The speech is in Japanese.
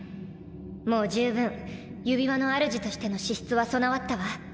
もう十分指輪の主としての資質は備わったわ。